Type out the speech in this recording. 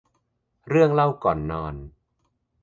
เรื่องเล่าก่อนนอน